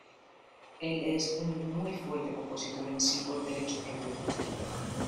Él es un muy fuerte compositor en sí por derecho propio.